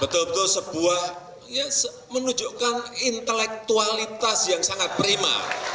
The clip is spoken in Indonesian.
betul betul sebuah ya menunjukkan intelektualitas yang sangat prima